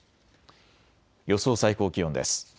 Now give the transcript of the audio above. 予想最高気温です。